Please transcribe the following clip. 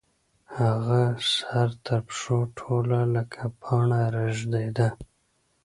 هغه سر تر پښو ټوله لکه پاڼه رېږدېده.